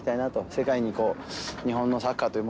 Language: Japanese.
世界に日本のサッカーというものをね